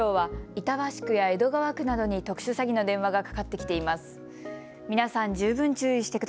きょうは板橋区や江戸川区などに特殊詐欺の電話がかかってきています。